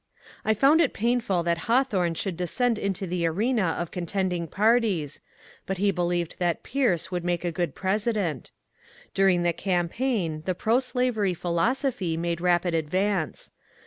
I found it painful that Hawthorne should descend into the arena of contending par ties, but he believed that Pierce would make a good President. During the campaign the proslavery philosophy made rapid advance.